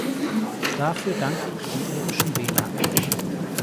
Dafür danke ich den irischen Wählern.